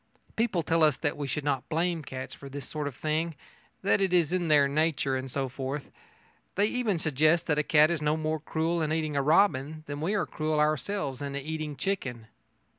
People tell us that we should not blame cats for this sort of thing that it is their nature and so forth. They even suggest that a cat is no more cruel in eating robin than we are cruel ourselves in eating chicken.